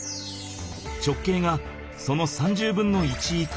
直径がその３０分の１以下。